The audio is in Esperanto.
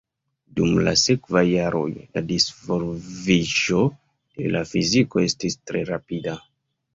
Dum la sekvaj jaroj la disvolviĝo de la fiziko estis tre rapida.